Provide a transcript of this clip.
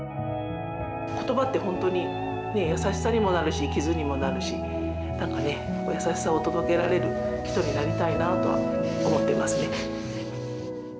言葉って本当に優しさにもなるし傷にもなるし優しさを届けられる人になりたいなとは思ってますね。